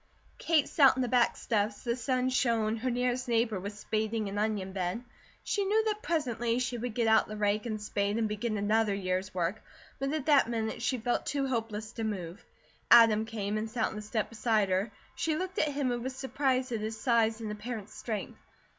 Kate sat on the back steps, the sun shone, her nearest neighbour was spading an onion bed. She knew that presently she would get out the rake and spade and begin another year's work; but at that minute she felt too hopeless to move. Adam came and sat on the step beside her. She looked at him and was surprised at his size and apparent strength.